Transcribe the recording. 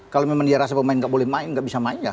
kalau memang dia rasa pemain nggak boleh main nggak bisa main ya